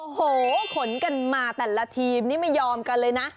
โอ้โหขนกันมาแต่ละทีมนี่ไม่ยอมกันเลยนะ